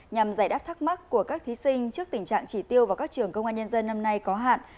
nhằm giải đáp thắc mắc của các thí sinh trước tình trạng chỉ tiêu vào các trường công an nhân dân năm nay có hạn